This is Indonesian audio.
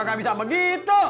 gak bisa begitu